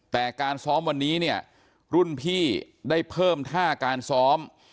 แต่การซ้อมวันนี้เนี่ยรุ่นพี่ได้เพิ่มท่าการซ้อม